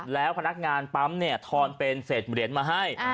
แล้วพนักงานปั๊มทอนเป็นเสดเหมือนเหรียญมาให้